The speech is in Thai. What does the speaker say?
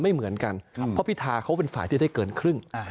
ไม่เหมือนกันเพราะพิธาเขาเป็นฝ่ายที่ได้เกินครึ่ง